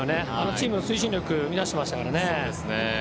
チームの推進力を生み出してましたからね。